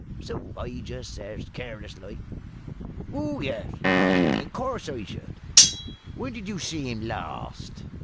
So I just says, careless like "`Oh yes, in course I should.' "`When did you see him last?'